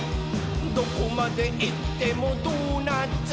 「どこまでいってもドーナツ！」